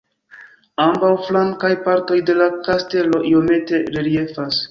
Ambaŭ flankaj partoj de la kastelo iomete reliefas.